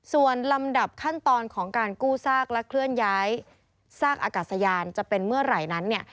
ส่วนลำดับขั้นตอนของการกู้ซากและเคลื่อนย้ายซากอากาศยานจะเป็นเมื่อไหร่นั้นเนี่ย